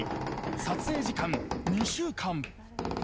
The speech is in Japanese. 撮影時間２週間。